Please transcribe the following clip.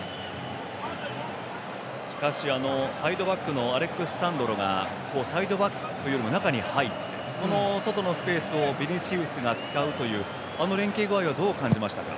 しかし、サイドバックのアレックス・サンドロがサイドバック、中に入って中のスペースをビニシウスが使うという連係具合はどう感じましたか？